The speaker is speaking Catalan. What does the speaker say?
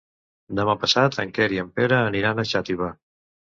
Demà passat en Quer i en Pere aniran a Xàtiva.